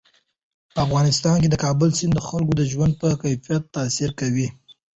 په افغانستان کې د کابل سیند د خلکو د ژوند په کیفیت تاثیر کوي.